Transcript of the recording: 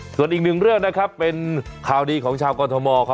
ส่วนอีกนึงเรื่องเป็นข่าวดีของชาวกรณฑมอลเติม